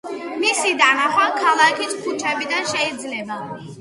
მისი დანახვა ქალაქის ქუჩებიდან შეიძლება.